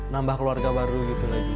nambah keluarga baru gitu lagi